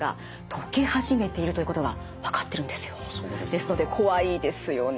ですので怖いですよね。